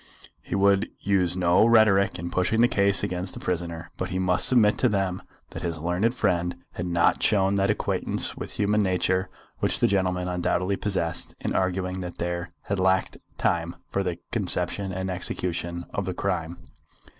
He would use no rhetoric in pushing the case against the prisoner; but he must submit to them that his learned friend had not shown that acquaintance with human nature which the gentleman undoubtedly possessed in arguing that there had lacked time for the conception and execution of the crime.